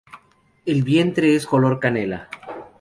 El vientre es color canela.